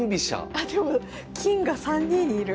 あでも金が３二にいる。